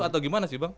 atau gimana sih bang